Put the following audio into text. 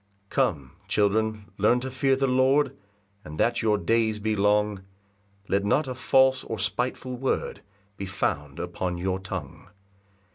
1 Come, children, learn to fear the Lord; And that your days be long, Let not a false or spiteful word Be found upon your tongue.